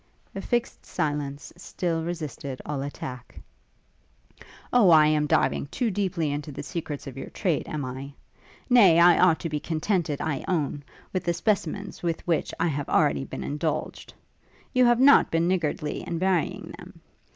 A fixed silence still resisted all attack. 'O, I am diving too deeply into the secrets of your trade, am I? Nay, I ought to be contented, I own, with the specimens with which I have already been indulged. You have not been niggardly in varying them.